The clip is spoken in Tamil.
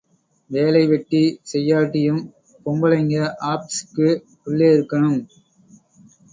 வேலை வெட்டி செய்யாட்டியும் பொம்பிளைங்க ஆப்ஸூக்கு உள்ளே இருக்கணும்.